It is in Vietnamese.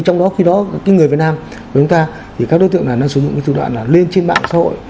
trong đó khi đó người việt nam của chúng ta thì các đối tượng này nó sử dụng cái thủ đoạn là lên trên mạng xã hội